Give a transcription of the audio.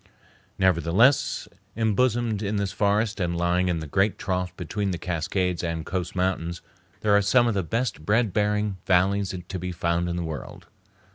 Nevertheless, embosomed in this forest and lying in the great trough between the Cascades and coast mountains, there are some of the best bread bearing valleys to be found in the world.